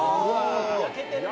焼けてるね。